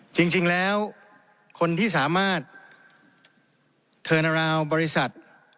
จริงแล้วคนที่สามารถเทิร์นราวบริษัท